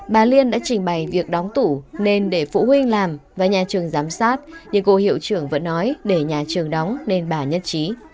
bà liên đã trình bày việc đóng tủ nên để phụ huynh làm và nhà trường giám sát nhưng cô hiệu trưởng vẫn nói để nhà trường đóng nên bà nhất trí